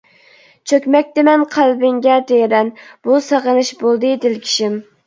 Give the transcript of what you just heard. چۆكمەكتىمەن قەلبىڭگە تىرەن، بۇ سېغىنىش بولدى دىلكىشىم.